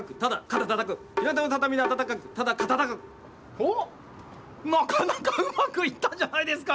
おっなかなかうまくいったじゃないですか。